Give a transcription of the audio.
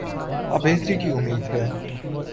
اب بہتری کی امید ہے۔